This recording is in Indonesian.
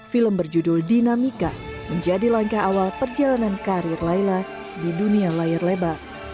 film berjudul dinamika menjadi langkah awal perjalanan karir laila di dunia layar lebar